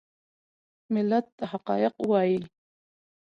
ملت ته حقایق ووایي .